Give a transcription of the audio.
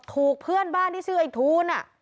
ถูกเพื่อนบ้านที่ชื่อไอ้ทูล